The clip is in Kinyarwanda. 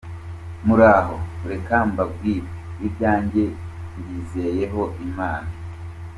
Muraho, reka mbabwire ibyanjye mbizeyeho inama.